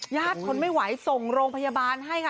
ทนไม่ไหวส่งโรงพยาบาลให้ค่ะ